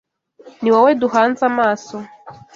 Ni wowe duhanze amaso